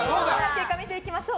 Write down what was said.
見ていきましょう。